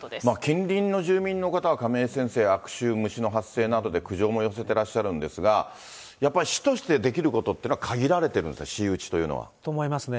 近隣の住民の方は、亀井先生、悪臭、虫の発生などで苦情も寄せていらっしゃるんですが、やっぱり市としてできることっていうのは、限られてるんですか、私有地というのは。と思いますね。